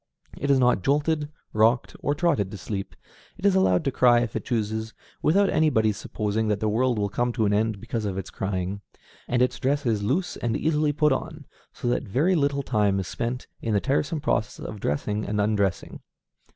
It is not jolted, rocked, or trotted to sleep; it is allowed to cry if it chooses, without anybody's supposing that the world will come to an end because of its crying; and its dress is loose and easily put on, so that very little time is spent in the tiresome process of dressing and undressing.